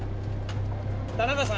田中さん！